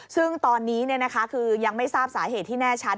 ซึ่งตอนนี้คือยังไม่ทราบสาเหตุที่แน่ชัด